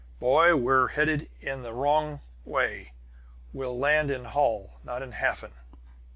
"Boy, we're headed in the wrong way! We'll land in Holl, not in Hafen!"